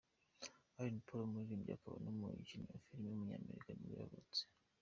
Alan Paul, umuririmbyi akaba n’umukinnyi wa filime w’umunyamerika nibwo yavutse.